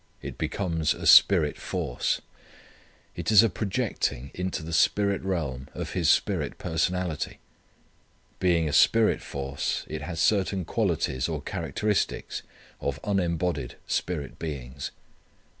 It becomes a spirit force. It is a projecting into the spirit realm of his spirit personality. Being a spirit force it has certain qualities or characteristics of unembodied spirit beings.